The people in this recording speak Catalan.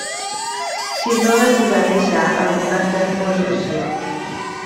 S'ignora si va deixar alguna composició.